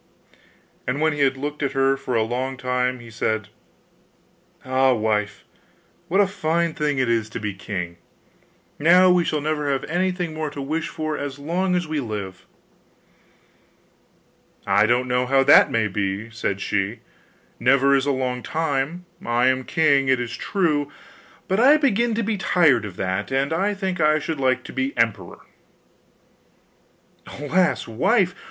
And when he had looked at her for a long time, he said, 'Ah, wife! what a fine thing it is to be king! Now we shall never have anything more to wish for as long as we live.' 'I don't know how that may be,' said she; 'never is a long time. I am king, it is true; but I begin to be tired of that, and I think I should like to be emperor.' 'Alas, wife!